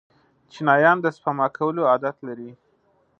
چینایان د سپما کولو عادت لري.